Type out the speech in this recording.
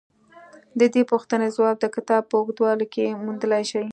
د دې پوښتنې ځواب د کتاب په اوږدو کې موندلای شئ